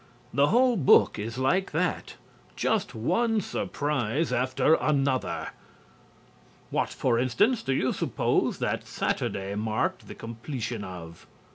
The whole book is like that; just one surprise after another. What, for instance, do you suppose that Saturday marked the completion of?...